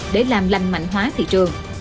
để làm lành mạnh hóa thị trường